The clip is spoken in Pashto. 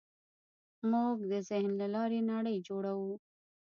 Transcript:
موږ د ذهن له لارې نړۍ جوړوو.